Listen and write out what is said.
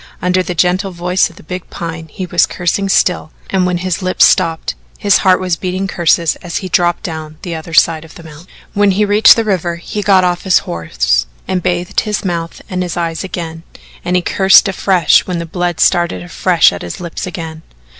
Under the gentle voice of the big Pine he was cursing still, and when his lips stopped, his heart was beating curses as he dropped down the other side of the mountain. When he reached the river, he got off his horse and bathed his mouth and his eyes again, and he cursed afresh when the blood started afresh at his lips again.